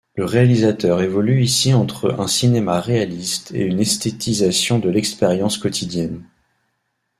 Le réalisateur évolue ici entre un cinéma réaliste et une esthétisation de l’expérience quotidienne.